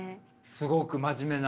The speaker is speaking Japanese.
すごく真面目な。